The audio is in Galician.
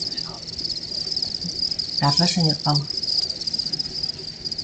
Grazas, señor Paulo.